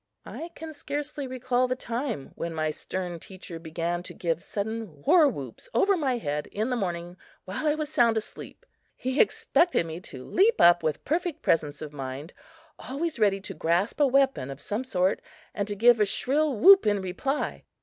I can scarcely recall the time when my stern teacher began to give sudden war whoops over my head in the morning while I was sound asleep. He expected me to leap up with perfect presence of mind, always ready to grasp a weapon of some sort and to give a shrill whoop in reply.